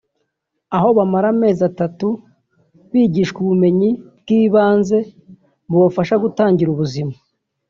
aho bamara amezi atatu bigishwa ubumenyi bw’ibanze bubafasha gutangira ubuzima